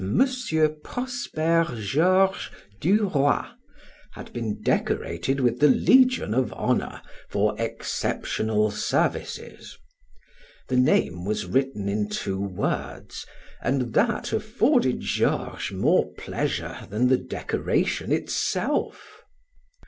Prosper Georges du Roy had been decorated with the Legion of Honor for exceptional services. The name was written in two words, and that afforded Georges more pleasure than the decoration itself.